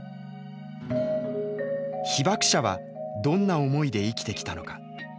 被爆者はどんな思いで生きてきたのか。